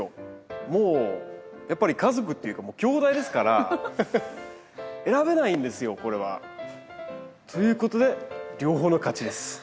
もうやっぱり家族っていうかもうきょうだいですから選べないんですよこれは。ということで両方の勝ちです。